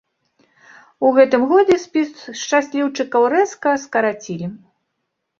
У гэтым годзе спіс шчасліўчыкаў рэзка скарацілі.